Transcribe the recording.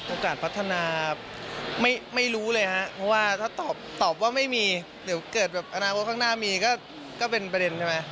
พัฒนาไม่รู้เลยฮะเพราะว่าถ้าตอบว่าไม่มีเดี๋ยวเกิดแบบอนาคตข้างหน้ามีก็เป็นประเด็นใช่ไหม